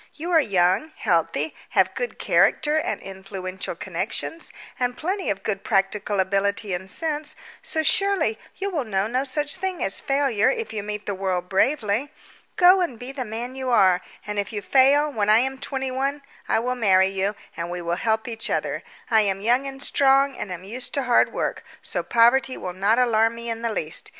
You are young, healthy, have good character and influential connections, and plenty of good practical ability and sense, so, surely, you will know no such thing as failure if you meet the world bravely. Go and be the man you are; and if you fail, when I am twenty one I will marry you, and we will help each other. I am young and strong, and am used to hard work, so poverty will not alarm me in the least.